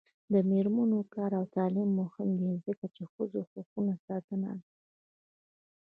د میرمنو کار او تعلیم مهم دی ځکه چې ښځو حقونو ساتنه ده.